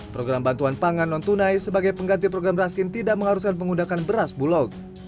program bantuan pangan non tunai sebagai pengganti program raskin tidak mengharuskan penggunaan beras bulog